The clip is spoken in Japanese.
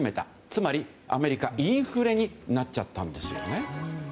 つまり、アメリカはインフレになっちゃったんですよね。